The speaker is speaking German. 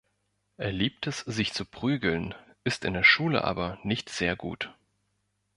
Er liebt es, sich zu prügeln, ist in der Schule aber nicht sehr gut.